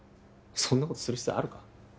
そんなことする必要あるか？